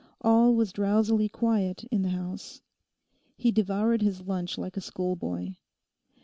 All was drowsily quiet in the house. He devoured his lunch like a schoolboy.